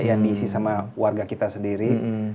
yang diisi sama warga kita sendiri